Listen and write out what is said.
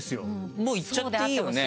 もういっちゃっていいよね。